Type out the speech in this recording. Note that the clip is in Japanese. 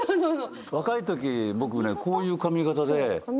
若いとき僕ねこういう髪形で。